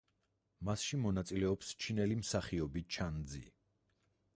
მასში მონაწილეობს ჩინელი მსახიობი ჩან ძი.